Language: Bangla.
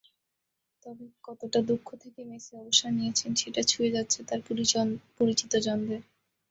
তবে কতটা দুঃখ থেকে মেসি অবসর নিয়েছেন, সেটা ছুঁয়ে যাচ্ছে তাঁর পরিচিতজনদের।